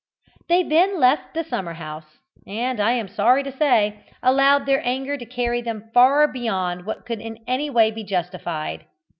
They then left the summer house, and, I am sorry to say, allowed their anger to carry them far beyond what could in any way be justified.